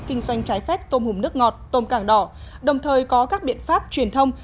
kinh doanh trái phép tôm hùm nước ngọt tôm càng đỏ đồng thời có các biện pháp truyền thông